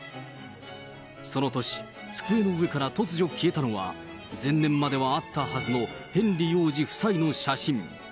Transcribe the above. その年、机の上から突如消えたのは、前年まではあったはずのヘンリー王子夫妻の写真。